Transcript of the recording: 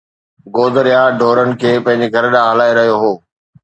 گودريا ڍورن کي پنھنجي گھر ڏانھن ھلائي رھيو ھو.